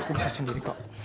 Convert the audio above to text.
aku bisa sendiri kok